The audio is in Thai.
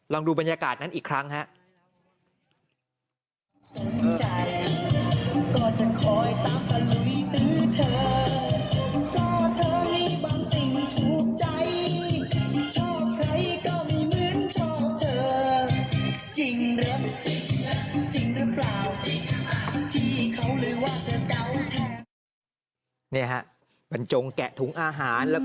ลองดูบรรยากาศนั้นอีกครั้งฮะ